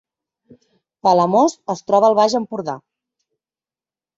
Palamós es troba al Baix Empordà